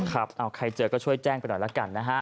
ใครเจอก็ช่วยแจ้งไปหน่อยละกันนะฮะ